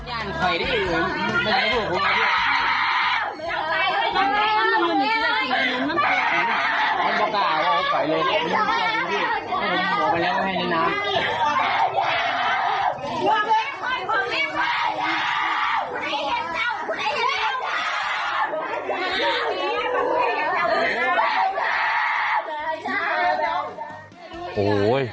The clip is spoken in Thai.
โอ้โห